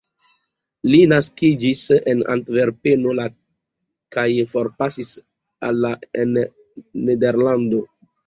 Li naskiĝis en Antverpeno la kaj forpasis la en Nederlando.